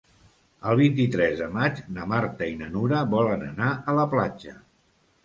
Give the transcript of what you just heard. El vint-i-tres de maig na Marta i na Nura volen anar a la platja.